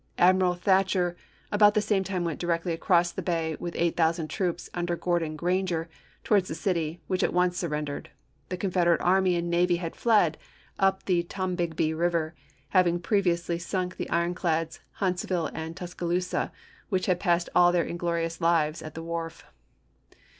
Admiral Thatcher about the same time went directly across the bay, with eight thousand troops under Gordon Granger, towards the city, which at once surren dered. The Confederate army and navy had fled up the Tombigbee river, having previously sunk the ironclads Huntsville and Tuscaloosa, which had passed all their inglorious lives at the wharf.